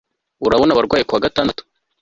Urabona abarwayi kuwagatandatu